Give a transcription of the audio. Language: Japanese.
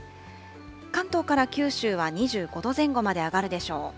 関東から九州は２５度前後まで上がるでしょう。